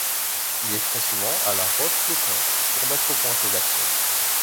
Il est très souvent à la Roche-Ploquin pour mettre au point ses actions.